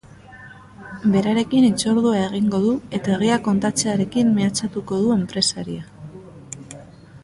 Berarekin hitzordua egingo du eta egia kontatzearekin mehatxatuko du enpresaria.